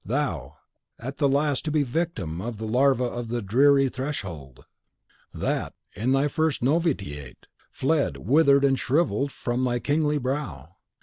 Thou, at the last to be the victim of the Larva of the dreary Threshold, that, in thy first novitiate, fled, withered and shrivelled, from thy kingly brow!